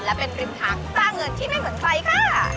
และเป็นริมทางสร้างเงินที่ไม่เหมือนใครค่ะ